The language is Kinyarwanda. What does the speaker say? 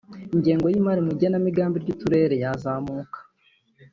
ingengo y’imari mu igenamigambi ry’uturere yazamuka